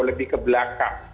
lebih ke belakang